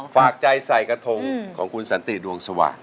ฝากใจใส่กระทงของคุณสันติดวงสว่าง